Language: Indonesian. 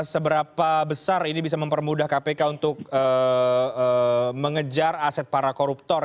seberapa besar ini bisa mempermudah kpk untuk mengejar aset para koruptor